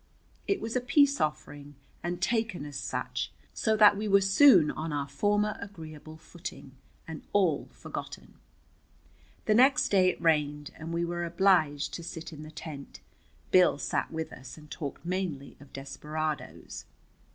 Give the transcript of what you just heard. It was a peace offering, and taken as such, so that we were soon on our former agreeable footing, and all forgotten. The next day it rained, and we were obliged to sit in the tent. Bill sat with us, and talked mainly of desperadoes.